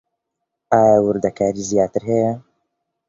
ئایا وردەکاریی زیاتر هەیە؟